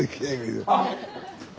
あっ！